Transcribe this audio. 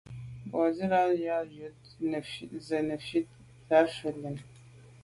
Mbàzīlā rə̌ tà' jú zə̄ fít nə̀ zí'’ə́ lɛ̂n.